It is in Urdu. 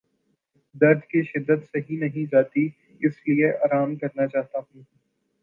درد کی شدت اب سہی نہیں جاتی اس لیے آرام کرنا چاہتا ہوں۔